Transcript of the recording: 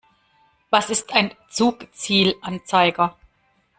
Was ist ein Zugzielanzeiger?